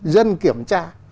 dân kiểm tra